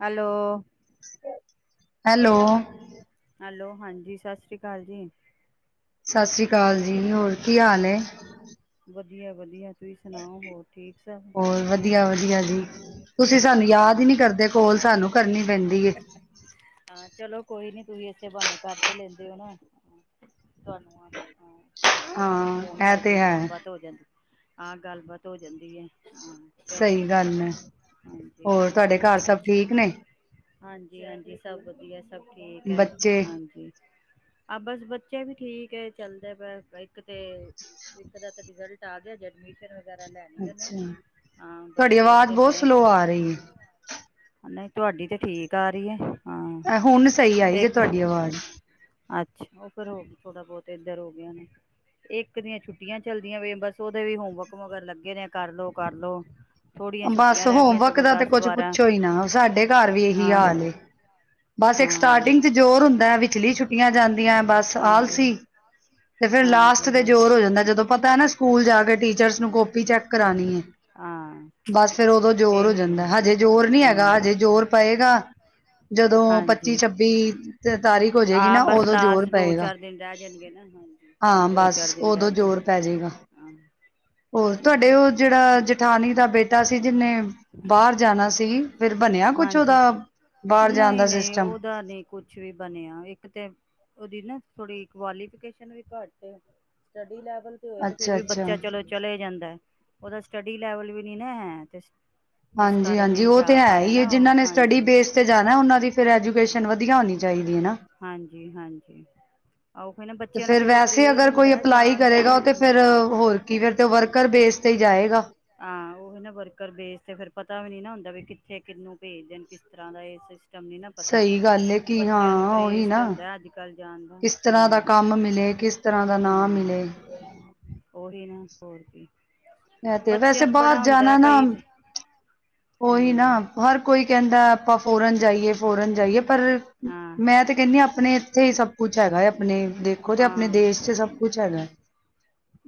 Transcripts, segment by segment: Hello. Hello. Hello ਹਾਂਜੀ, ਸਤਿ ਸ਼੍ਰੀ ਅਕਾਲ ਜੀ। ਸਤਿ ਸ੍ਰੀ ਅਕਾਲ ਜੀ। ਹੋਰ ਕੀ ਹਾਲ ਹੈ। ਵਧੀਆ ਵਧੀਆ। ਤੁਸੀਂ ਸੁਣਾਓ, ਹੋਰ ਠੀਕ ਸਭ। ਹੋਰ ਵਧੀਆ- ਵਧੀਆ ਜੀ। ਤੁਸੀਂ ਸਾਨੂੰ ਯਾਦ ਹੀ ਨੀ ਕਰਦੇ, ਕੋਲ ਸਾਨੂੰ ਕਰਨੀ ਪੈਂਦੀ। ਹਾਂ, ਚਲੋ ਕੋਈ ਨੀ ਤੁਸੀਂ ਇਸੇ ਬਹਾਨੇ ਕਰ ਤੇ ਲੈਂਦੇ ਹੋ ਨਾ। ਤੁਹਾਨੂੰ ਹਾਂ, ਇਸੇ ਬਹਾਨੇ ਹਾਂ ਫੋਨ ਇਹ ਕਰਦੇ ਤੇ ਹੋ। ਹੈ ਗੱਲਬਾਤ ਹੋ ਜਾਂਦੀ। ਹਾਂ, ਗੱਲਬਾਤ ਹੋ ਜਾਂਦੀ ਹੈ। ਹਾਂ। ਚਲੋ ਸਹੀ ਗੱਲ ਹੈ। ਹਾਂਜੀ ਹੋਰ ਤੁਹਾਡੇ ਘਰ ਸਭ ਠੀਕ ਨੇ। ਹਾਂਜੀ -ਹਾਂਜੀ, ਸਭ ਵਧੀਆ, ਸਭ ਠੀਕ ਹੈ ਬੱਚੇ ਹਾਂਜੀ। ਆ ਬਸ, ਬੱਚੇ ਵੀ ਠੀਕ ਹੈ। ਚੱਲਦਾ ਪ ਇੱਕ ਤੇ ਇਕ ਦਾ ਤੇ ਰਿਜ਼ਲਟ। ਆ ਗਿਆ ਜੇ ਐਡਮਿਸ਼ਨ ਵਗੈਰਾ ਲੈਣੀ ਅੱਛਾ ਹਾਂ ਬਸ ਤੁਹਾਡੀ ਆਵਾਜ਼ ਵੇਖਦੇ ਬਹੁਤ ਪਏ ਆ ਕੇ‌। ਸਲੋਅ ਰਹੀ ਨਹੀਂ, ਤੁਹਾਡੀ ਤੇ ਠੀਕ ਆ ਰਹੀ ਹੈ। ਹਾਂ ਇਹ ਹੁਣ ਸਹੀ ਆਈ ਅਤੇ ਜੇ ਇੱਕ ਤੁਹਾਡੀ ਆਵਾਜ਼। ਅੱਛਾ, ਉਹ ਫਿਰ ਹੋ ਥੋੜਾ-ਬਹੁਤ ਇਧਰ ਹੋ ਗਿਆ ਨੇ। ਇੱਕ ਦੀਆਂ ਛੁੱਟੀਆਂ ਚੱਲਦੀਆਂ ਪਈਆਂ ਨੇ, ਬਸ ਉਹਦੇ ਵੀ ਹੋਮਵਰਕ ਮਗਰ ਲੱਗੇ ਨੇ, ਕਰ ਲਓ-ਕਰ ਲਓ। ਥੋੜੀਆਂ ਬਸ ਛੁੱਟੀਆਂ ਰਹਿ ਗਈਆਂ ਹੋਮਵਰਕ ਸਗੋਂ ਦਾ ਤੇ ਕੁੱਝ ਦਸ-ਬਾਰਾਂ ਪੁੱਛੋ ਹੀ ਨਾ ਸਾਡੇ ਘਰ ਵੀ ਇਹੀ ਹਾਂ। ਹਾਲ ਏ। ਬਸ, ਇੱਕ ਹਾਂ ਸਟਾਰਟਿੰਗ ਚ ਜ਼ੋਰ ਹੁੰਦਾ ਹੈ, ਵਿਚਲੀ ਛੁੱਟੀਆਂ ਜਾਂਦੀਆਂ, ਬਸ ਹਾਂਜੀ ਆਲਸੀ‌। ਤੇ ਫੇਰ ਲਾਸਟ ਹਾਂਜੀ ਤੇ ਹਾਂ ਜ਼ੋਰ ਹੋ ਜਾਂਦਾ, ਜਦੋਂ ਪਤਾ ਨਾ ਸਕੂਲ ਜਾ ਕੇ ਟੀਚਰਸ ਨੂੰ ਕਾਪੀ ਚੈੱਕ ਕਰਾਉਣੀ ਹੈ। ਹਾਂ ਬਸ, ਫੇਰ ਉਦੋਂ ਜ਼ੋਰ ਹੋ ਇਹੀ ਜਾਂਦਾ ਹਜੇ ਜ਼ੋਰ ਨਹੀਂ ਹੈਗਾ, ਹੂੰ ਹਜੇ ਜ਼ੋਰ ਪਏਗਾ। ਜਦੋਂ ਪੱਚੀ ਹਾਂਜੀ, ਛੱਬੀ ਤਾਰੀਖ ਹੋ ਜਾਏਗੀ ਹਾਂ ਨਾ ਬਸ ਉਦੋਂ ਜ਼ੋਰ ਲਾਸਟ ਪਏਗਾ ਦੋ-ਚਾਰ ਦਿਨ ਰਹਿ ਜਾਣਗੇ ਨਾ, ਹਾਂਜੀ। ਹਾਂ, ਬਸ ਦੋ-ਚਾਰ ਦਿਨ ਉਦੋਂ ਰਹਿ ਜਾਨ ਜ਼ੋਰ ਪੈ ਜਾਏਗਾ ਹਾਂ। ਹੋਰ ਉ ਚਲੋ ਤੁਹਾਡੇ ਉਹ ਜੇਹੜਾ ਜੇਠਾਨੀ ਦਾ ਬੇਟਾ ਸੀ, ਜਿਨੇ ਬਾਹਰ ਜਾਣਾ ਸੀ। ਫੇਰ ਬਣਿਆ ਕੁਛ ਉਹਦਾ। ਬਾਹਰ ਜਾਣ ਦਾ ਨਹੀਂ-ਨਹੀਂ ਸਿਸਟਮ ਉਹਦਾ ਨਹੀਂ ਕੁਛ ਵੀ ਬਣਿਆ ਇੱਕ ਤੇ ਉਹਦੀ ਨਾ ਥੋੜੀ ਕੁਆਲੀਫਿਕੇਸ਼ਨ ਵੀ ਘੱਟ ਏ। ਸਟੱਡੀ ਲੈਵਲ ਹੋਏ ਤੇ ਫੇਰ ਅੱਛਾ ਵੀ ਅੱਛਾ ਬੱਚਾ ਚਲੋ ਚਲੇ ਜਾਂਦਾ ਉਹਦਾ ਸਟੱਡੀ ਲੈਵਲ ਵੀ ਨੀ ਨਾ ਹੈ ਤੇ ਜਿਸ ਕਾਰਨ ਹਾਂਜੀ-ਹਾਂਜੀ, ਨਹੀਂ ਉਹ ਤੇ ਜਾ ਹੈ ਪਾਇਆ ਹੀ ਹੈ ਨਾ ਉਹ ਜਿਨਾਂ ਨੇ ਸਟੱਡੀ ਹਾਂਜੀ ਬੇਸ ਤੇ ਜਾਣਾ, ਉਹਨਾਂ ਦੀ ਫੇਰ ਐਜੂਕੇਸ਼ਨ ਵਧੀਆ ਹੋਣੀ ਚਾਹੀਦੀ ਹੈਨਾ। ਹਾਂਜੀ-ਹਾਂਜੀ। ਤੇ ਫੇਰ ਵੈਸੇ ਅਗਰ ਕੋਈ ਹੁੰਦਾ ਅਪਲਾਈ ਜਾਣ ਦਾ ਕਰੇਗਾ ਉ ਤੇ ਫੇਰ ਹੂੰ ਹੋਰ ਕੀ ਫੇਰ ਤੇ ਵਰਕਰ ਬੇਸ ਤੇ ਹੀ ਜਾਏਗਾ। ਹਾਂ, ਉਹ ਨਾ ਵਰਕਰ ਬੇਸ ਤੇ ਫੇਰ ਪਤਾ ਵੀ ਨੀ ਨਾ ਹੁੰਦਾ ਵੀ ਕਿੱਥੇ ਕਿਹਨੂੰ ਭੇਜਦੇ ਕਿਸ ਤਰ੍ਹਾਂ ਦਾ ਇਹ ਕੰਮ ਨੀ ਨਾ ਪਤਾ ਸਹੀ ਗੱਲ ਏ ਕਿ ਬੱਚਿਆਂ ਨੂੰ ਹਾਂ ਉਹੀ ਕਰੇਜ ਤਾ ਨਾ ਹੁੰਦਾ ਅੱਜ-ਕੱਲ ਜਾਣ ਦਾ, ਕਿਸ ਤਰ੍ਹਾਂ ਦਾ ਹੂੰ ਕੰਮ ਮਿਲੇ ਕਿਸ ਤਰ੍ਹਾਂ ਦਾ ਨਾ ਮਿਲੇ -ਹਾਂ। ਉਹੀ ਨਾ ਹੋਰ ਕੀ। ਹੈ ਤੇ ਵੈਸੇ ਬੱਚਿਆਂ ਨੂੰ ਬਾਹਰ ਬੜਾ ਜਾਣਾ ਹੁੰਦਾ ਨਾ ਕਈ ਤੇ ਉਹੀ ਨਾ ਹੂੰ ਹਰ ਕੋਈ ਕਹਿੰਦਾ ਆਪਾਂ ਫੋਰਨ ਜਾਈਏ ਫੋਰਨ ਜਾਈਏ ਪਰ ਹਾਂ ਮੈਂ ਤੇ ਕਹਿੰਦੀ ਆ ਆਪਣੇ ਇੱਥੇ ਹੀ ਸਭ ਕੁਛ ਹੈਗਾ ਹੈ, ਆਪਣੇ ਦੇਖੋ ਤੇ ਆਪਣੇ ਹਾਂ ਦੇਸ਼ ਚ ਸਭ ਕੁਛ ਹੈਗਾ।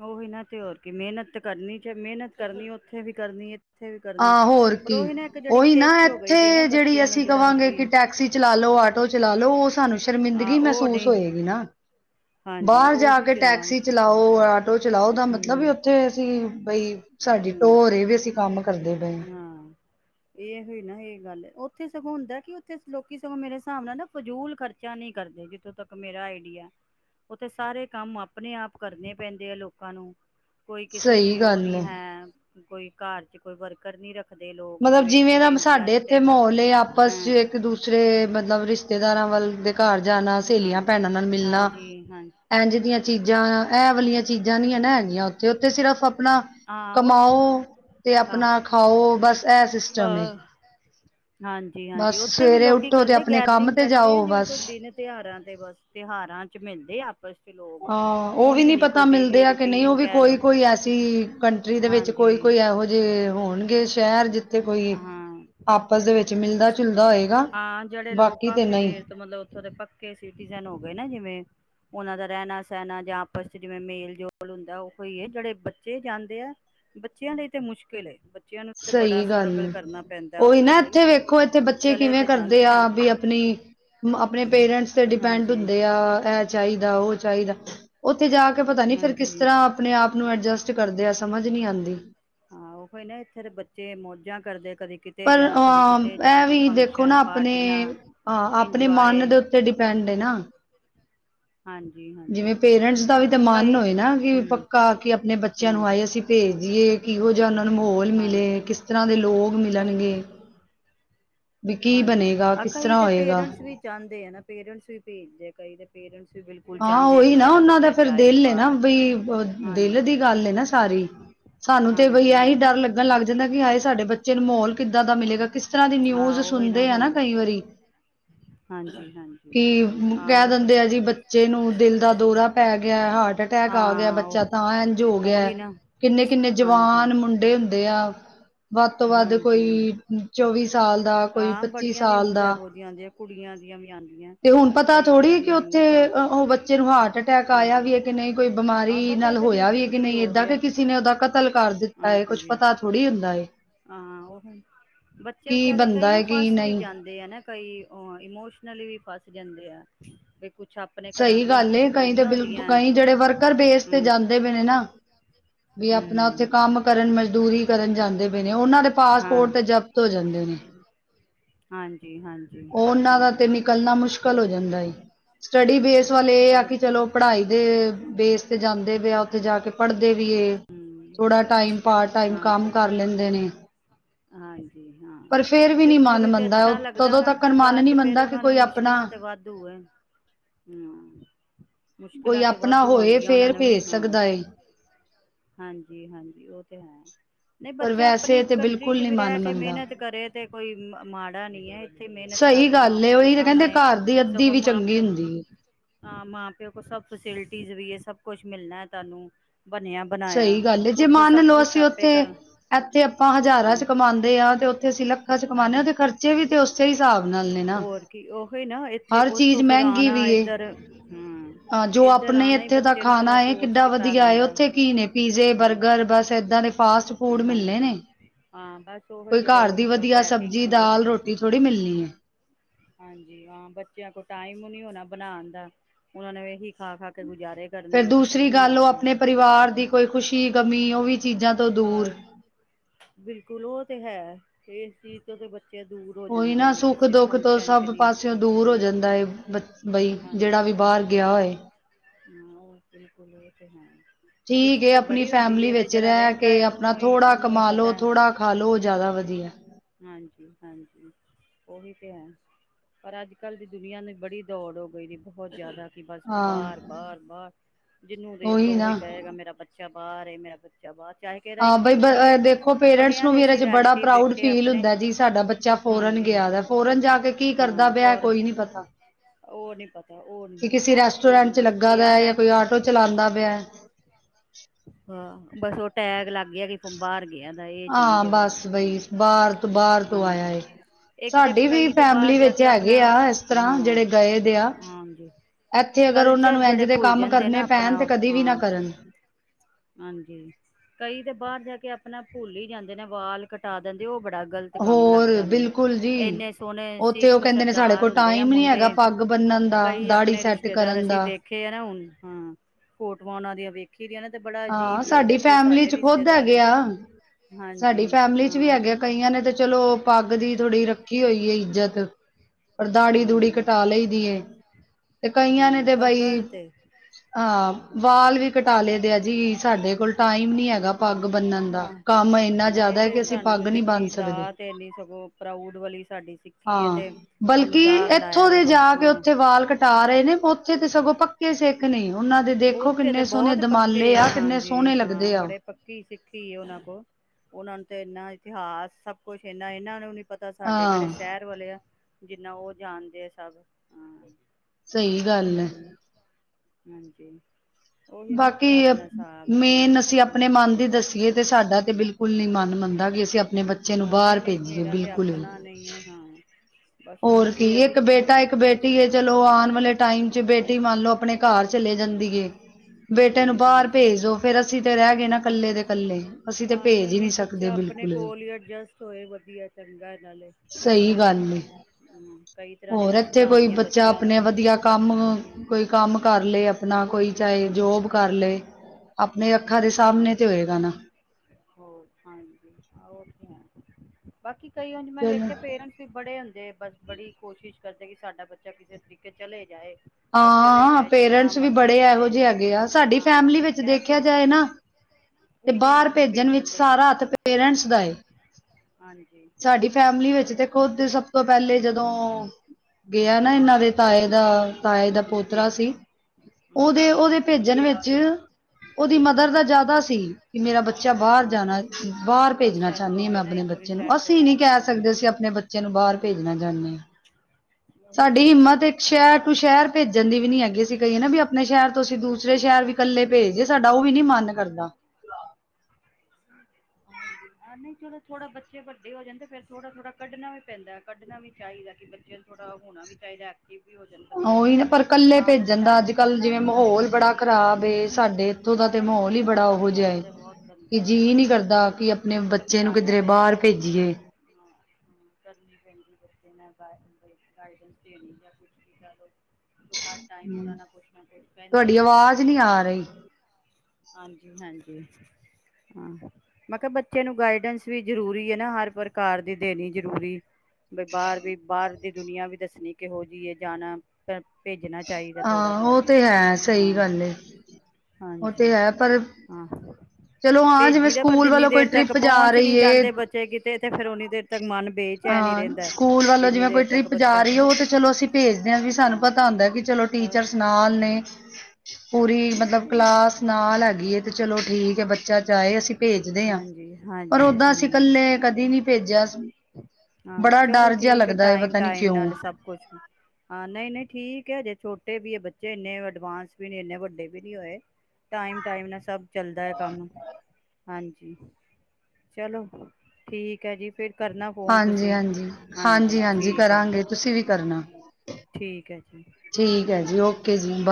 ਉਹੀ ਨਾ ਤੇ ਹੋਰ ਕੀ ਮਿਹਨਤ ਕਰਨੀ ਚ ਮਿਹਨਤ ਕਰਨੀ ਉੱਥੇ ਵੀ ਕਰਨੀ ਹੈ। ਇੱਥੇ ਵੀ ਕਰਨੀ ਆਹ ਹੋਰ ਪਰ ਕੀ ਉਹੀ ਨਾ ਇੱਕ ਜਿਹੜੀ ਉਹੀ ਨਾ ਖੇਚ ਹੋ ਗਈ ਦੀ ਨਾ ਇੱਥੇ ਜਿਹੜੀ ਬੱਚਿਆਂ ਨੂੰ ਅਸੀਂ ਜਿਹੜਾ ਕਵਾਂਗੇ ਬਈ ਕਿ ਟੈਕਸੀ ਚਲਾ ਲੋ, ਆਟੋ ਚਲਾ ਲੋ ਉਹ ਸਾਨੂੰ ਹਾਂ ਸ਼ਰਮਿੰਦਗੀ ਉਹ ਮਹਿਸੂਸ ਨਹੀਂ ਹੋਏਗੀ ਨਾ। ਹਾਂਜੀ ਬਾਹਰ ਜਾ ਉਹੀ ਕੇ ਚਲਾਨ ਟੈਕਸੀ ਚਲਾ ਓ ਆਟੋ ਚਲਾਓ ਦਾ ਮਤਲਬ ਵੀ ਹੂੰ ਉੱਥੇ ਅਸੀਂ ਬਈ ਸਾਡੀ ਹੂੰ ਟੋਰੇ ਏਵੀ ਅਸੀਂ ਕੰਮ ਕਰਦੇ ਪਏ ਹਾਂ। ਇਹ ਹੀ ਨਾ, ਇਹ ਗੱਲ ਉੱਥੇ ਸਗੋਂ ਹੁੰਦਾ ਕਿ ਉੱਥੇ ਲੋਕੀ ਸਗੋਂ ਮੇਰੇ ਹਿਸਾਬ ਨਾਲ ਨਾ ਫਜੂਲ ਖਰਚਾ ਨੀ ਕਰਦੇ। ਜਿਥੋਂ ਤੱਕ ਮੇਰਾ ਆਈਡੀਆ ਉੱਥੇ ਸਾਰੇ ਕੰਮ ਆਪਣੇ ਅਪਨੇ ਆਪ ਕਰਨੇ ਪੈਂਦੇ ਆ ਲੋਕਾਂ ਨੂੰ ਕੋਈ ਕਿਸੇ ਸਹੀ ਦੀ ਉਹ ਗੱਲ ਏ। ਨਹੀਂ ਹੈ ਕੋਈ ਘਰ ਚ ਕੋਈ ਵਰਕਰ ਨਹੀਂ ਰੱਖ ਮਤਲਬ ਜਿਵੇਂ ਦਾ ਸਾਡੇ ਇੱਥੇ ਅ ਮਾਹੌਲ ਹੇ ਆਪਸ ਚ ਇੱਕ ਦੂਸ ਦੂਸਰੇ ਮਤਲਬ ਰਿਸ਼ਤੇਦਾਰਾਂ ਵੱਲ ਦੇ ਘਰ ਜਾਣਾ ਹਾਂ ਸਹੇਲੀਆਂ, ਭੈਣਾਂ ਨਾਲ ਮਿਲਣਾ। ਹਾਂਜੀ ਹਾਂ ਇੰਝ ਦੀਆਂ ਚੀਜ਼ਾਂ ਇਹ ਵਾਲੀਆਂ ਚੀਜ਼ਾਂ ਨਹੀਂ ਹੈ ਨਾ ਹੈਗੀਆਂ ਉੱਥੇ-ਉੱਥੇ ਸਿਰਫ ਆਪਣਾ ਹਾਂ ਉੱਥੇ ਕਮਾਓ ਤੇ ਆਪਣਾ ਖਾਓ ਬਸ ਇਹ ਸਿਸਟਮ ਏ। ਹਾਂ- ਹਾਂ ਜੀ ਬਸ ਹਾਂਜੀ, ਉੱਥੇ ਵੀ ਸਵੇਰੇ ਲੋਕੀ ਉੱਠੋ ਤੇ ਕਰਦੇ ਆਪਣੇ ਕੰਮ ਗੈਦਰਿੰਗ ਤੇ ਕਰਦੇ ਆ ਜਾਓ ਜਿਵੇਂ ਕੋਈ ਬਸ। ਦਿਨ ਤਿਉਹਾਰਾਂ ਤੇ ਬਸ ਤਿਉਹਾਰਾਂ ਚ ਮਿਲਦੇ ਆਪਸ ਚ ਲੋਕ ਹਾਂ, ਉਹ ਵੀ ਉਝ ਨਹੀਂ ਨੀ ਪਤਾ ਕੋਈ ਮਿਲਦੇ ਡੇਲੀ ਆ ਕਿ ਨਹੀਂ, ਰੂਟੀਨ ਉਹ ਵੀ ਕਹਿ ਲਓ ਕੋਈ-ਕੋਈ ਐਸ ਜੀ, ਕੰਟਰੀ ਦੇ ਵਿੱਚ ਹਾਂਜੀ ਕੋਈ-ਕੋਈ ਇਹੋ ਜਿਹੇ, ਹੋਣਗੇ ਸ਼ਹਿਰ ਜਿੱ ਕੋਈ ਹਾਂ ਆਪਸ ਦੇ ਵਿੱਚ ਮਿਲਦਾ-ਜੁਲਦਾ ਹੋਏਗਾ, ਹਾਂ ਬਾਕੀ ਤੇ ਨਹੀਂ। ਸਿਟੀਜਨ ਹੋ ਗਏ ਨਾ, ਜਿਵੇਂ ਉਹਨਾ ਦਾ ਰਹਿਣਾ-ਸਹਿਣਾ ਜਾਂ ਆਪਸ'ਚ ਜਿਵੇਂ ਮੇਲ-ਜੋਲ ਹੁੰਦਾ, ਉਹੀ ਹੈ ਜਿਹੜੇ ਬੱਚੇ ਜਾਂਦੇ ਆ। ਬੱਚਿਆਂ ਲਈ ਤੇ ਮੁਸ਼ਕਿਲ ਏ, ਬੱਚਿਆਂ ਨੂੰ ਤੇ ਬੜਾ ਸਹੀ ਗੱਲ, ਸਟਰਗਲ ਕਰਨਾ ਪੈਂਦਾ ਉਈ ਉੱਥੋਂ ਨਾ ਲਈ ਇੱਥੇ ਵੇਖੋ ਇੱਥੇ ਹਾਂ ਬੱਚੇ ਚਲੇ ਕਿਵੇਂ ਤੇ ਕਰਦੇ ਜਾਂਦੇ ਆ, ਵੀ ਅਪਣੀ ਅਪਨੇ ਪੇਰੈਂਟਸ ਤੇ ਡਿਪੈਂਡ ਹਾਂਜੀ ਹੁੰਦੇ ਆ, ਐ ਚਾਹੀਦਾ, ਉਹ ਚਾਹੀਦਾ ਉੱਥੇ ਜਾਕੇ ਪਤਾ ਨੀ ਫੇਰ ਕਿਸ ਹਾਂਜੀ ਤਰ੍ਹਾਂ ਆਪਣੇ-ਆਪ ਨੂੰ ਐਡਜਸਟ ਕਰਦੇ ਆ, ਸਮਝ ਨਹੀਂ ਆਂਦੀ। ਹਾਂ, ਉਹੀ ਨਾ ਇੱਥੇ ਦੇ ਬੱਚੇ ਮੌਜਾਂ ਕਰਦੇ ਕਦੀ ਪਰ ਅਹ ਐ ਵੀ ਦੇਖੋ ਨਾ ਅਪਣੇ, ਪਾਰਟੀਆਂ ਅਹ ਅਪਣੇ ਇੰਜੋਏ ਮਨ ਦੇ ਉੱ ਤੇ ਡਿਪੈਂਡ ਏਨਾ। ਹਾਂਜੀ। ਜਿਵੇਂ ਹਾਂਜੀ ਪੇਰੈਂਟਸ ਦਾ ਵੀ ਤਾਂ ਮਨ ਕਈ ਹੋਏ ਨਾ, ਵੀ ਹੂੰ ਪੱਕਾ ਆਕੇ ਆਪਣੇ ਬੱਚਿਆਂ ਨੂੰ ਹਾਂਜੀ ਹਾਏ ਅਸੀਂ ਭੇਜ ਦੀਏ। ਕਿਹੋ ਜਾ ਉਹਨਾਂ ਨੂੰ ਮਾਹੌਲ ਹਾਂਜੀ ਮਿਲੇ, ਕਿਸ ਤਰ੍ਹਾਂ ਦੇ ਲੋਕ ਅਹ, ਮਿਲਣਗੇ। ਵੀ ਕੀ ਹਾਂਜੀ, ਬਣੇਗਾ ਹਾ ਕਿਸ ਕਈ ਤਰ੍ਹਾਂ ਤੇ ਹੋਏਗਾ ਪੇਰੈਂਟਸ ਵੀ ਚਾਹੁੰਦੇ ਏਨਾ, ਪੇਰੈਂਟਸ ਵੀ ਭੇਜਦੇ ਕਈ ਦੇ ਪੇਰੈਂਟਸ ਵੀ ਬਿਲਕੁਲ ਹਾਂ ਚਾਹੁੰਦੇ ਆ ਕਿ ਉਹੀ ਨਾ, ਸਾਡਾ ਉਹਨਾਂ ਦਾ ਬੱਚਾ ਫਿਰ ਜਾਏ ਦਿਲ ਏਨਾ, ਬਾਹਰ ਬਈ ਦਿਲ ਦੀ ਹਾਂਜੀ ਗੱਲ ਏਨਾ। ਸਾਰੀ, ਸਾਨੂੰ ਤੇ ਬਈ ਹਾਂਜੀ ਐਹੀ ਡਰ ਹਾਂਜੀ ਲੱਗਣ ਲੱਗ ਜਾਂਦਾ, ਕਿ ਹਾਏ ਸਾਡੇ ਬੱਚੇ ਨੂੰ ਮੋਹੌਲ ਕਿੱਦਾਂ ਦਾ ਮਿਲੇਗਾ ਕਿਸ ਇਸ ਤਰ੍ਹਾਂ ਦੀ ਹਾਂ ਨਿਊਜ਼ ਉਹੀ ਸੁਣਦੇ ਆ ਨਾ, ਹੋਰ ਕਈ ਵਾਰੀ। ਹਾਂਜੀ ਹਾਂਜੀ ਕੀ ਹਾਂ ਕਹਿ ਉਹ ਤੇ ਦਿੰਦੇ ਆ ਜੀ, ਬ ਬੱਚੇ ਨੂੰ ਦਿਲ ਦਾ ਦੋਰਾ ਪੈਗਿਆ, ਹਾਰਟ ਅਟੈਕ ਆਗਿਆ, ਹਾਂ ਬੱਚਾ ਉਹ- ਤਾਂ ਐਂਝ ਹੋਗਿਆ। ਉਹੀ ਨਾ ਕਿੰਨੇ-ਕਿੰਨੇ ਹਾਂਜੀ ਜਵਾਨ ਮੁੰਡੇ ਹੁੰਦੇ ਆ। ਵੱਧ ਤੋਂ ਵੱਧ ਹਾਂਜੀ ਕੋਈ, ਚੌਵੀ ਸਾਲ ਦਾ ਕੋਈ ਹਾਂ ਪੱਚੀ ਬੜੀਆਂ ਸਾਲ ਨਿਊਜ਼ ਦਾ ਇਹੋ ਜਿਹੀ ਆਂਦੀਆਂ, ਕੁੜੀਆਂ ਦੀਆਂ ਵੀ ਆਂਦ ਤੇ ਹੁਣ ਪਤਾ ਥੋੜੀ ਏ ਕਿ, ਉੱਥੇ ਉਹ ਬੱਚੇ ਨੂੰ ਹਾਰਟ ਅਟੈਕ ਆਇਆ ਹਾਂਜੀ ਵੀ ਹੈ ਕਿ ਨਹੀਂ। ਕੋਈ ਆਹ ਬਿਮਾਰੀ ਪਤਾ ਨਾਲ ਤੇ ਨੀ ਹੋਇਆ ਵੀ ਉੱਥੇ ਏ ਕਿ ਕੀ ਨਹੀਂ, ਹੋ ਏਦਾਂ ਰਿਹਾ। ਕਿ ਕਿਸੇ ਨੇ ਉਹਦਾ ਕਤਲ ਕਰ ਦਿੱਤਾ ਏ, ਕੁੱਛ ਪਤਾ ਥੋੜੀ ਹੁੰਦਾ ਏ। ਆਂ, ਓਹੀ ਬੱਚੇ ਵਿਚਾਰੇ ਕਈ ਬਣਦਾ ਨਾ ਹੈ ਕੀ ਫਸ ਵੀ ਨਹੀਂ ਜਾਂ ਦੇ ਆ ਨਾ ਕਈ, ਉਹ ਇਮੋਸ਼ਨਲੀ ਵੀ ਫਸ ਜਾਂਦੇ ਆ। ਕੁੱਛ ਆਪਣੇ ਘਰਾਂ ਸਹੀ ਦੀਆਂ ਗੱਲ ਏ, ਕਈ ਤੇ ਮਜਬੂਰੀਆਂ ਬਿਲਕੁ, ਹੁੰਦੀਆਂ ਕਈ ਜਿਹੜੇ ਵਰਕਰ ਬੇਸ ਤੇ ਹੂੰ ਜਾਂਦੇ ਵੇ ਨੇ ਨਾ ਵੀ ਅਪਣਾ ਉੱਥੇ ਹੂੰ ਕੰਮ ਕਰਨ, ਮਜ਼ਦੂਰੀ ਕਰਨ ਜਾਂਦੇ ਪਏ ਨੇ, ਉਹਨਾਂ ਦੇ ਪਾਸਪੋਰਟ ਹਾਂ ਤੇ ਜ ਹੋ ਜਾਂਦੇ ਨੇ ਹਾਂਜੀ-ਹਾਂ ਓਹਨਾਂ ਦਾ ਤੇ ਨਿਕਲਣਾ ਮੁਸ਼ਕਿਲ ਹੋ ਜਾਂਦਾ ਏ। ਸਟੱਡੀ ਬੇਸ ਵਾਲੇ ਇਹ ਯਾ ਕਿ ਚਲੋ, ਹਾਂਜੀ ਪੜ੍ਹਾਈ ਦੇ ਬੇਸ ਤੇ ਜਾਂਦੇ ਪਏ ਆ, ਉੱਥੇ ਜਾਕੇ ਪੜਦੇ ਵੀ ਏ, ਹੂੰ ਥੋੜਾ ਟਾਈਮ ਪਾਰਟ ਟਾਈਮ ਕੰਮ ਕ ਕਰ ਲੈਂਦੇ ਨੇ। ਹਾਂ ਹਾਂ, ਪਰ ਫੇਰ ਵੀ ਨੀ ਮਨ ਸ਼ੁਰੂ-ਸ਼ੁਰੂ ਤੇ ਮੰਨਦਾ ਅੱਛਾ ਉਹ ਲੱਗਦਾ ਤਦੋਂ ਉਹਨਾਂ ਨੂੰ, ਤੱਕ ਪਰ ਮਨ ਨੀ ਬਾਅਦ'ਚ ਫਿਰ ਮੰਨਦਾ ਕਿ ਉਹਨਾਂ ਨੂੰ ਕੋਈ ਆਪਣਾ ਮੁਸ਼ਕਿਲਾਂ ਤੇ ਵਾਧੂ ਏ। [unintelligible] ਹੂੰ, ਕੋਈ ਮੁਸ਼ਕਿਲਾਂ ਤੇ ਆਪਣਾ ਵਾਧੂ ਹੋਏ ਆਂਦੀਆਂ ਉਹਨਾਂ ਫੇਰ ਨੂੰ ਵੀ, ਭੇਜ ਹਾਂ। ਸਕਦਾ ਏ ਹਾਂਜੀ-ਹਾਂਜੀ, ਉਹ ਤੇ ਹੈ। ਨਹੀਂ ਪਰ ਬੱਚਾ ਆਪਣੀ ਵੈਸੇ ਤੇ, ਕੰਟਰੀ ਬਿਲਕੁਲ ਚ ਨਹੀਂ ਵੀ ਮਨ ਰਹਿ ਕੇ ਮੰਨਦਾ। ਮਿਹਨਤ ਕਰੇ ਤੇ ਕੋਈ ਮਾੜ ਪਤਾ ਨੀ ਹੈ, ਇੱਥੇ ਮਿਹਨਤ ਸਹੀ ਕਰਦੇ ਗੱਲ ਏ ਮਾਂ-ਪਿਓ ਦੇ ਉਹੀ ਤੇ ਕਹਿੰਦੇ ਸਾਹਮਣੇ, ਘਰ ਦੀ ਅੱਧੀ ਸਗੋਂ ਵੀ ਚੰਗੀ ਮਾਂ-ਪਿਓ ਹੁੰਦੀ ਏ ਹਾਂ, ਮਾਂ-ਪਿਓ ਕੋਲ ਸਭ ਫਸਿਲਿਟੀਜ ਵੀ ਏ, ਸਭ ਕੁਛ ਮਿਲਣਾ ਤੁਹਾਨੂੰ ਬਣਿਆ ਸਹੀ ਬਣਾਇਆ ਗੱਲ ਐ ਜੇ ਉੱਥੇ ਸਭ ਮੰਨ ਲਓ ਕੁਛ ਅਸੀਂ ਆਪੇ ਉੱਥੇ ਕਰਨ ਇੱਥੇ ਆਪਾਂ ਹਜ਼ਾਰਾਂ ਚ ਕਮਉਂਦੇ ਹਾਂ ਤੇ ਉੱਥੇ ਅਸੀਂ ਲੱਖਾਂ ਚ ਕਮਾਨੇ ਆ ਹਾਂਜੀ ਉਥੇ ਖਰਚੇ ਵੀ ਤੇ ਉਸ ਸਹੀ ਹਿਸਾਬ ਨਾਲ ਨੇ ਨਾ, ਹੋਰ ਕੀ ਉਹੀ ਨਾ ਇੱਥੇ ਹਰ ਚੀਜ਼ ਉੱਥੋਂ ਫਿਰ ਮਹਿੰਗੀ ਆਣਾ ਵੀ ਐ ਇੱਧਰ ਹੂੰ ਹਾਂ ਜੋ ਇੱਧਰ ਆਪਣੇ ਆਣਾ ਹੀ ਇੱਥੇ ਦਾ ਬੱਚੇ ਨੂੰ ਪਹਿਲਾਂ ਖਾਣਾ ਸੋਚ ਕਿੱਡਾ ਚ ਪੈ ਵਧੀਆ ਦਿੰਦਾ ਉੱਥੇ, ਕੀ ਨੇ ਪੀਜ਼ੇ ਹੂੰ ਬਰਗਰ ਬਸ ਏਦਾਂ ਦੇ ਫਾਸਟ ਫੂਡ ਮਿਲਣੇ ਹਾਂਜੀ ਨੇ, ਹਾਂ [unintelligible] ਕੋਈ ਘਰ ਉਹ ਦੀ ਵਧੀਆ ਪੈਕਿੰਗ ਸਬਜ਼ੀ ਫੂਡ ਦਾਲ ਰੋਟੀ ਥੋੜ੍ਹੀ ਮਿਲਣੀ ਐ। ਹਾਂਜੀ ਹਾਂ ਬੱਚਿਆਂ ਕੋਲ ਟਾਈਮ ਨੀ ਹੋਣਾ ਬਣਾਉ ਦਾ ਉਹਨਾਂ ਨੇ ਇਹੀ ਖਾ ਖਾ ਕੇ ਗੁਜਾਰੇ, ਫੇਰ ਦੂਸਰੀ ਗੱਲ ਉਹ, ਆਪਣੇ ਪਰਿਵਾਰ ਦੀ ਕੋਈ ਖੁਸ਼ੀ ਗਮੀ ਉਹ ਵੀ ਚੀਜ਼ਾਂ ਤੋਂ ਦੂਰ ਹਹ ਬਿਲਕੁਲ ਉਹ ਤੇ ਹੈ ਇਸ ਚੀਜ਼ ਤੋਂ ਤੇ ਬੱਚੇ ਦੂਰ, ਹੋ ਉਹੀ ਜਾਂਦੇ ਆ ਨਾ ਵੀ ਸੁੱਖ ਕਿਸੇ ਦੁੱਖ ਤੋਂ ਫੰਕਸ਼ਨ ਚ ਸਭ ਨੀ ਪਾਸਿਓਂ ਦੂਰ ਹੋ ਜਾਂਦਾ ਹਾਂਜੀ ਐ। ਬਈ ਜਿਹੜਾ ਹਾਂਜੀ ਵੀ ਬਾਰ ਗਿਆ ਹਾਂਜੀ ਹੋਏ, ਹਾਂ ਉਹ ਬਿਲਕੁਲ ਉਹ ਤ [unintelligible] ਠੀਕ ਐ ਆਪਣੀ ਫੈਮਿਲੀ ਵਿੱਚ ਰਹਿ ਰਹਿੰਦਾ ਕੇ ਹੈ ਆਪਣਾ ਉਹਨੂੰ ਹੀ ਥੋੜਾ ਉਹਨੂੰ ਹੀ ਕਮਾਲੋ ਪਤਾ ਹੈ। ਥੋੜਾ, ਖਾਲੋ ਉਹ ਜ਼ਿਆਦਾ ਵਧੀਆ, ਹਾਂਜੀ ਹਾਂਜੀ ਓਹੀ ਤੇ ਹੈ, ਪਰ ਅੱਜ ਕੱਲ ਦੀ ਦੁਨੀਆਂ ਨੂੰ ਬੜੀ ਦੌੜ ਹੋ ਗਈ ਨੇ ਬਹੁਤ ਜ਼ਿਆਦਾ ਕਿ ਬਸ ਹਾਂ, ਬਾਰ ਬਾਰ ਬਾਰ, ਜਿਹਨੂੰ ਦੇਖਲ ਉਹੀ ਕਹੇਗਾ ਮੇਰਾ ਬੱਚਾ ਬਾਰ ਐ ਮੈ ਬਾਰ ਚਾਹੇ ਕਿਸੇ ਦਾ ਹਾਂ ਇੱਕ ਬਈ ਇੱਕ ਬ ਵੀ ਅਹ ਏ, ਦੇਖੋ ਪੇਰੈਂਟਸ ਬੜਿਆਂ ਨੂੰ ਦੇ ਵੀ ਇਹਦੇ ਅਸੀਂ 'ਚ ਬੜਾ ਰੈਲੇਟਿਵ ਵੇ ਪ੍ਰਾਊਡ ਫੀਲ ਹੁੰਦਾ ਜੀ ਸਾਡਾ ਬੱਚਾ ਫੋਰਨ ਗਿਆ ਵਾ ਫੋਰਨ ਜਾ ਕੇ ਕੀ ਕਰਦਾ ਹਾਂ ਪਿਆ ਫੋਰ ਕੋਈ ਨੀ ਪਤਾ, ਉਹ ਨੀ ਪਤਾ ਉਹ ਨੀ ਕਿ ਕਿਸੇ ਉਹ ਰੈਸਟੋਰੈਂਟ ਨੀ ਚ ਬਸ ਲੱਗਾ ਗਿਆ ਦਾ ਜਾਂ ਹੈ। ਕੋਈ ਆਟੋ ਚਲਾਦਾ ਪਿਆ। ਹਾਂ ਬਸ, ਉਹ ਟੈਗ ਲੱਗ ਗਿਆ ਕਿ ਬਾਹਰ ਗਿਆ ਦਾ ਇਹ ਚੀਜ਼ ਆ ਬਸ ਹੂੰ ਬਾਰ ਤੋਂ, ਬਾਹਰ ਤੋਂ ਆਇਆ ਐ। ਇੱਕ ਤੇ ਸਾਡੀ ਵੀ ਕਈ ਤੇ ਬਾਹਰ ਫੈਮਲੀ ਜਾ ਵਿੱਚ ਕੇ ਹੈਗੇ ਆਪਣਾ ਆ ਇਸ ਤਰ੍ਹਾਂ ਹਾਂ ਜਿਹੜੇ ਗਏ ਦੇ ਆ। ਹਾਂਜੀ ਇੱਥੇ ਅਗਰ ਉਹਨਾਂ ਕਲਚਰ ਨੂੰ ਇੰਝ ਜਿਹੜੇ ਦੇ ਭੁੱਲ ਕੰਮ ਜਾਂਦੇ ਕਰਨੇ ਨਾ ਪੈਣ ਆਪਣਾ ਤੇ ਉਹ, ਕਦੇ ਵੀ ਨਾ ਹਾਂ ਕਰਨ। ਹਾਂਜੀ, ਕਈ ਤੇ ਬਾਹਰ ਜਾ ਕੇ ਆਪਣਾ ਭੁੱਲ ਈ ਜਾਂਦੇ ਨੇ ਵਾਲ ਕਟਾ ਕਹਿਦੇ ਉਹ ਬੜਾ ਗਲਤ ਕੰਮ ਹੋਰ ਲੱਗਦਾ ਮੈਨੂੰ, ਬਿਲਕੁਲ ਜੀ ਇੰਨੇ ਸੋਹਣੇ ਉੱਥੇ ਉਹ ਸਿੱਖ ਕਹਿੰਦੇ ਨੇ ਸਾਡੇ ਸਰਦਾਰ ਕੋਲ ਹੁੰਦੇ ਆ ਟਾਈਮ ਨੀ ਮੁੰਡੇ ਹੈਗਾ ਪੱਗ ਬੰਨਣ ਦਾ ਕਈ ਦਾੜੀ ਆਪਣੇ ਸੈੱਟ ਰਿਸ਼ਤੇਦਾਰ ਕਰਨ ਅਸੀਂ ਦਾ ਦੇਖੇ ਆ ਨਾ, ਹੁਣ ਹਾਂ ਫੋਟੋਆਂ ਉਹਨਾਂ ਦੀਆਂ ਵੇਖ ਆਖੀ ਦੀ ਆਂ ਨਾ ਤੇ ਬੜਾ ਹਾਂ ਅਜੀਬ ਲੱਗਦਾ ਸਾਡੀ ਕਿ ਇਹ ਫੈਮਿਲੀ ਸਾਡੇ ਚ ਖੁਦ ਰਿਸ਼ਤੇਦਾਰ ਐ ਹੈਗੇ ਆ ਸਾਡੀ ਹਾਂਜੀ ਫੈਮਿਲੀ ਹਾਂ ਵੀ ਉਹੀ ਹੈਗੇ, ਕਈਆਂ ਨੇ ਤੇ ਚਲੋ ਪੱਗ ਦੀ ਥੋੜ੍ਹੀ ਰੱਖੀ ਹੋਈ ਏ ਇੱਜਤ। ਪਰ ਦਾੜੀ ਦੂੜੀ ਹੂੰ ਕਟਾ ਲਈ ਦੀ ਐ, ਤੇ ਕਈਆਂ ਨੇ ਹਾਂ ਤੇ ਪਰ ਬਈ ਗ਼ਲਤ ਏ ਹਾਂ, ਵਾਲ ਹੂੰ ਵੀ ਕਟਾ ਲੈ ਦੇ ਆ, ਜੀ ਸਾਡੇ ਕੋਲ ਟਾਈਮ ਨੀ ਹੈਗਾ। ਪੱਗ ਬੰਨਣ ਦਾ, ਹਾਂ ਕੰਮ ਇੰਨਾ ਹਾਂ ਜ਼ਿਆਦਾ ਇਹ ਐ ਕਿ ਅਸੀਂ ਪੱਗ ਨੀ ਬਣ ਸਕਦੇ। ਤੇ ਨੀ ਸਗੋਂ ਪ੍ਰਰਾਊਡ ਵਾਲੀ ਸਾਡੀ ਸਿੱਖ ਹਾਂ ਬਲਕਿ ਇੱਥੋਂ ਦੇ ਬ ਜਾ ਕੇ ਹਾਂ ਉੱਥੇ ਵਾਲ ਕਟਾ ਰਹੇ ਨੇ, ਉੱਥੇ ਤੇ ਸਗੋਂ ਪੱਕੀ ਸਿੱਖ ਨੀ ਉਹਨਾਂ ਦੇਖੋ ਉੱਥੇ ਤੇ ਕਿੰਨੇ ਸੋਹਣੇ ਬਹੁਤ ਦਮਾਲੇ ਪੱਕੇ ਆ, ਕਿੰਨੇ ਹਾਂਜੀ ਸੋਹਣੇ ਹਾਂ ਲੱਗਦੇ ਆਹ। ਬੜੇ ਪੱਕੀ ਸਿੱਖੀ ਉਹਨਾਂ ਕੋਲ, ਉਹਨਾਂ ਨੂੰ ਤੇ ਇੰਨਾ ਇਤਿਹਾਸ ਸਭ ਕੁਛ ਇਨਾ ਇਹਨਾਂ ਨੂੰ ਵੀ ਪਤਾ ਸਾਡੇ ਹਾਂ ਜਿਹੜੇ ਸ਼ਹਿਰ ਵਾਲੇ ਆ, ਜਿੰਨਾ ਉਹ ਜਾਣਦੇ ਆ ਸਭ ਹਾਂ। ਸਹੀ ਗੱਲ ਹੈ ਹੂੰ, ਹਾਂਜੀ। ਉਹੀ ਨਾ ਬਾਕੀ ਆਪਣਾ-ਆਪਣਾ ਹਿਸਾਬ ਕੋਈ ਹੂੰ, ਗੇ ਤੇ ਸਾਡਾ ਤੇ ਬਿਲਕੁਲ ਨੀ ਮਨ ਮੰਨਦਾ, ਕਿ ਅਸੀਂ ਆਪਣੇ ਬੱਚੇ ਨੂੰ ਬਾਰ ਭੇਜੀਏ ਬਿਲਕੁਲ ਵੀ। ਹੋਰ ਕੀ ਇੱਕ ਬੇਟਾ, ਇੱਕ ਬੇਟੀ ਐ ਚਲੋ ਆਣ ਵਾਲੇ ਟਾਈਮ ਚ ਬੇਟੀ ਮੰਨ ਲਓ ਆਪਣੇ ਘਰ ਚਲੇ ਜਾਂਦੀ ਐ। ਬੇਟੇ ਨੂੰ ਬਾਹਰ ਭੇਜ ਦੋ, ਫੇਰ ਅਸੀਂ ਤੇ ਰਹਿ ਗਏ ਨਾ ਕੱਲੇ ਦੇ ਕੱਲੇ, ਅਸੀਂ ਤੇ ਭੇਜ ਹੀ ਨਹੀਂ ਸਕਦੇ। ਚਲ ਆਪਣੇ ਬਿਲਕੁਲ ਵੀ ਕੋਲ ਹੀ, ਐਡਜਸਟ ਹੋਏ, ਵਧੀਆ ਚੰਗਾ ਨਾਲੇ ਸਹੀ ਹੋਰ ਗੱਲ ਕੀ ਏ ਹਾਂ। ਹੋਰ ਇੱਥੇ ਕੋਈ ਬੱਚਾ ਆਪਣੇ ਵਧੀਆ ਕੰਮ ਹਮ ਕੋਈ ਕੰਮ ਕਰ ਲਏ, ਆਪਣਾ ਕੋਈ ਕੁਛ ਵੀ ਚਾਹੇ ਹੋਰ ਜੋਬ, ਕੀ ਕਰ ਲਏ। ਆਪਣੇ ਅੱਖਾਂ ਦੇ ਹਾਂਜੀ ਸਾਹਮਣੇ ਤੇ ਹਾਂਜੀ ਹੋਏਗਾ ਨਾ। ਹੋਰ ਹਾਂਜੀ ਹੋਰ ਕਿਆ ਬਾਕੀ ਕਈ ਮੈਂ ਚਲੋ ਵੇਖਿਆ ਪੇਰਟਸ ਬੜੇ ਹੁੰਦੇ, ਬਸ ਬੜੀ ਕੋਸ਼ਿਸ਼ ਕਰਦੇ ਕਿ ਸਾਡਾ ਬੱਚਾ, ਕਿਸੇ ਤਰੀਕੇ ਚਲੇ ਜਾਏ। ਬਸ ਚਲੇ ਹਾਂ, ਜਾਏ ਜਿਸ ਤਰ੍ਹਾਂ ਪੇਰੈਂਟਸ ਵੀ ਮਰਜ਼ੀ ਬੜੇ ਇਹੋ ਜਾਏ ਜਿਹੇ ਹੈਗੇ ਆ ਸਾਡੀ ਹਾਂ ਮੈਂ ਫੈਮਿਲੀ ਵਿੱਚ ਦੇਖ- ਨਾ ਦੇਖਿਆ ਕੁੜੀ ਜਾਏ ਨਾ ਤੇ ਕੁੜੀਆਂ ਬਾਹਰ ਨੂੰ ਵੀ ਭੇਜਣ ਵਿੱਚ ਲਈ ਸਾਰਾ ਹੱਥ ਪੇਰੈਂਟਸ ਦਾ ਏ [inaudible] ਸਾਡੀ ਫੈਮਲੀ ਵਿੱਚ ਉਹੀ ਤੇ, ਖੁਦ ਸਭ ਤੋਂ ਪਹਿਲੇ ਜਦੋਂ ਗਿਆ ਨਾ ਇਹਨਾਂ ਦੇ ਤਾਏ ਦਾ ਤਾਏ ਦਾ ਪੋਤਰਾ ਸੀ। ਉਹਦੇ- ਹਾਂਜੀ ਉਹਦੇ ਹਾਂਜੀ ਭੇਜਣ ਵਿੱਚ ਉਹਦੀ ਮਦਰ ਦਾ ਹਮ ਜ਼ਿਆਦਾ ਸੀ। ਕਿ ਮੇਰਾ ਬੱਚਾ ਬਾਹਰ ਹਾਂ ਜਾਣਾ, ਬਾਹਰ ਬਸ ਭੇਜਣਾ ਸੈੱਟ ਚਾਹੁੰਦੀ ਹੋ ਹਾਂ। ਮੈਂ ਜੇ ਨਾ ਆਪਣੇ ਇੱਕ ਵਾਰੀ ਬੱਚੇ ਨੂੰ। ਸੈੱਟ ਹੋ ਅਸੀਂ ਜੇ ਨੀ ਕਹਿ ਸਕਦੇ ਅਸੀਂ ਆਪਣੇ ਬੱਚੇ ਨੂੰ, ਬਾਹਰ ਹਾਂ ਭੇਜਣਾ ਚਾਹਨੇ ਆ ਹਾਂ ਸਾਡੀ ਹਿੰਮਤ ਉਹੀ ਇੱਕ ਸ਼ਹਿਰ ਟੂ ਸ਼ਹਿਰ ਭੇਜਣ ਦੀ ਵੀ ਨੀ ਹੈਗੀ ਅਸੀਂ ਕਈਏ ਨਾ ਵੀ। ਆਪਣੇ ਸ਼ਹਿਰ ਤੋਂ ਅਸੀਂ ਦੂਸਰੇ ਸ਼ਹਿਰ- ਕੱਲੇ ਭੇਜ ਦਈਏ, ਸਾਡਾ ਉਹ ਵੀ ਨੀ ਮਨ ਕਰਦਾ। [unintelligible] ਹਾਂ ਨਈ, ਚਲੋ ਥੋੜਾ ਬੱਚੇ ਵੱਡੇ ਹੋ ਜਾਂਦੇ ਫੇਰ ਥੋੜਾ ਥੋੜਾ ਕੱਢਣਾ ਵੀ ਪੈਂਦਾ। ਕੱਢਣਾ ਵੀ ਚਾਹੀਦਾ, ਕਿ ਬੱਚਿਆਂ ਨੂੰ ਥੋੜ੍ਹਾ ਹੋਣਾ ਵੀ ਚਾਹੀਦਾ, ਐਕਟਿਵ ਵੀ ਹੋ ਜਾਦਾ ਉਹੀ ਨਾ ਪਰ ਕੱਲੇ ਭੇਜਣ ਦਾ, ਅੱਜ ਕੱਲ੍ਹ ਕਰਨਾ ਜਿਵੇਂ ਤੇ ਉਹਨਾਂ ਨੇ ਮਾਹੌਲ ਇਕੱਲਾ ਬੜਾ ਹੀ ਹੈ ਨਾ ਸਭ ਖ਼ਰਾਬ ਕੁਛ ਏ ਸਾਡੇ ਉੱਥੋਂ ਦਾ ਹਾਂ ਤੇ ਨਹੀਂ ਉਹ ਮਾਹੌਲ ਹੀ ਬੜਾ ਹੈਗਾ ਉਹੋ ਜਿਆ ਮਾਹੌਲ ਏ, ਤੇ ਬਹੁਤ ਗੰਦਾ ਕਿ ਜੀ। ਹੈ ਜੀਅ ਨੀ ਕਰਦਾ ਕਿ ਆਪਣੇ ਬੱਚੇ ਨੂੰ, ਕਿੱਧਰੇ ਬਾਹਰ ਭੇਜੀਏ। ਕਰਨੀ ਪੈਂਦੀ ਬੱਚੇ ਨੂੰ ਗਾਈਡਸ ਦੇਣੀ, ਜਾਂ ਕੁਛ ਵੀ ਕਰੋ। ਹਰ ਟਾਈਮ ਉਹ ਨਾਲ ਕੁਛ ਨਾ ਕੁਛ ਕਹਿੰਦੇ ਤੁਹਾਡੀ ਰਹੀਦਾ ਆਵਾਜ਼ ਸੀ। ਨਹੀਂ ਆ ਰਹੀ ਹਾਂਜੀ- ਹਾਂਜੀ ਹਾਂ ਮੈਂ ਕਿਹਾ ਬੱਚੇ ਨੂੰ ਗਾਈਡੈਂਸ ਵੀ ਜ਼ਰੂਰੀ ਹੈ ਨਾ ਹਰ ਪ੍ਰਕਾਰ ਦੀ ਦੇਣੀ ਜ਼ਰੂਰੀ ਬਈ ਬਾਹਰ ਵੀ ਬਾਹਰ ਦੀ ਦੁਨੀਆਂ ਵੀ ਦੱਸਣੀ ਕਿਹੋ ਜਿਹੀ ਏ ਜਾਣਾ ਫਿਰ ਭੇਜਣਾ ਚਾਹੀਦਾ ਥੋੜ੍ਹਾ ਹਾਂ ਉਹ ਬਹੁਤ ਤੇ ਹੈ ਸਹੀ ਹਾਂ ਗੱਲ ਏ ਉਹ ਤੇ ਹਾਂਜੀ ਹੈ ਪਰ ਆਹੋ ਚਲੋ ਹਾਂ ਜਿਵੇਂ ਭੇਜੀਦਾ ਪਰ ਸਕੂਲ ਜਿੰਨੀ ਵੱਲੋਂ ਕੋਈ ਦੇਰ ਤੱਕ ਟ੍ਰਿਪ ਜਾ ਪਹੁੰਚ ਰਹੀ ਨੀ ਏ ਜਾਂਦੇ ਬੱਚੇ ਕਿਤੇ ਤੇ ਫੇਰ ਉਨੀ ਦੇਰ ਤੇ ਮਨ ਬੇਚੈਨ ਹੈ ਨੀ ਹਾਂ ਰਹਿੰਦਾ ਸਕੂਲ ਵੱਲੋਂ ਜਿੰਨੀ ਜਿਵੇਂ ਕੋਈ ਦੇਰ ਤੱਕ ਟ੍ਰਿਪ ਜਾ ਬੱਚਾ ਚ ਰਹੀ ਹੈ ਉਹ ਤੇ ਚਲੋ ਅਸੀਂ ਭੇਜਦੇ ਵੀ ਸਾਨੂੰ ਹਾਂ ਪਤਾ ਹੁੰਦਾ ਕਿ ਚਲੋ ਹਾਂ ਟੀਚਰਸ ਨਾਲ ਨੇ ਪੂਰੀ ਮਤਲਬ ਕਲਾਸ ਨਾਲ ਹੈਗੀ ਏ ਤੇ ਚਲੋ ਠੀਕ ਹੈ ਬੱਚਾ ਜਾਹੇ ਅਸੀਂ ਭੇਜਦੇ ਹਾਂ ਹਾਂਜੀ ਪਰ ਹਾਂਜੀ ਓਦਾਂ ਅਸੀਂ ਹਮ ਇਕੱਲੇ ਕਦੇ ਨੀ ਭੇਜਿਆ ਹਾਂ ਬੜਾ ਚਲੋ ਡਰ ਜਿਹਾ ਠੀਕ ਹੈ ਲੱਗਦਾ ਟਾਈਮ ਪਤਾ ਨੀ ਟਾਈਮ ਕਿਉਂ ਨਾਲ ਸਭ ਕੁਛ ਹਾਂ ਨਹੀਂ ਨਹੀਂ ਠੀਕ ਹੈ ਅਜੇ ਛੋਟੇ ਵੀ ਹੈ ਬੱਚੇ ਇੰਨੇ ਐਡਵਾਂਸ ਵੀ ਨਹੀਂ ਇੰਨੇ ਵੱਡੇ ਵੀ ਨਹੀਂ ਹੋਏ ਟਾਈਮ ਟਾਈਮ ਨਾਲ ਸਭ ਚੱਲਦਾ ਐ ਕੰਮ ਹਾਂਜੀ ਚਲੋ ਠੀਕ ਹੈ ਜੀ ਫਿਰ ਕਰਨਾ ਫੋਨ ਹਾਂਜੀ ਤੁਸੀਂ ਹਾਂਜੀ ਹਾਂਜੀ ਠੀਕ ਹੈ ਜੀ ਕਰਾਂਗੇ ਤੁਸੀਂ ਵੀ ਕਰਨਾ ਠੀਕ ਹੈ ਜੀ ਠੀਕ ਹੈ ਜੀ, ਓਕੇ ਜੀ ਬਾਏ